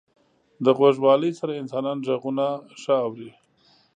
• د غوږوالۍ سره انسانان ږغونه ښه اوري.